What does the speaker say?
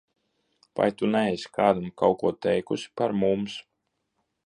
Vai tu neesi kādam kaut ko teikusi par mums?